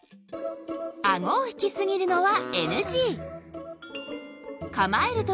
アゴを引きすぎるのはＮＧ！